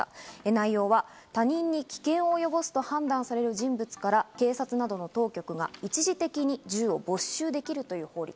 内容は、他人に危険を及ぼすと判断される人物から警察などの当局が一時的に銃を没収できるという法律。